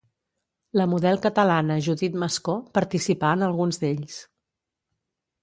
La model catalana Judit Mascó participà en alguns d'ells.